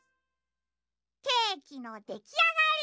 ケーキのできあがり。